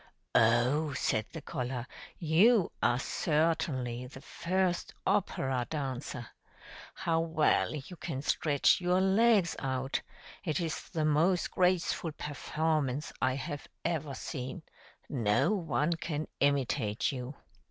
"Oh!" said the collar. "You are certainly the first opera dancer. How well you can stretch your legs out! It is the most graceful performance I have ever seen. No one can imitate you."